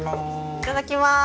いただきます。